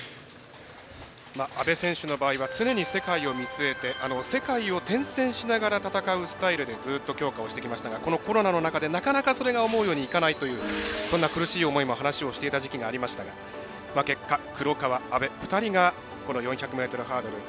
安部選手の場合は常に世界を見据えて世界を転戦しながら戦うスタイルで続けてきましたがこのころなの中でなかなかそれが思うようにいかないというそんな苦しい思いをしているという話をしていた時期もありましたが結果黒川、安部、２人が４００ｍハードル